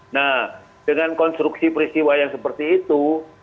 nah dengan konstruksi peristiwa yang seperti itu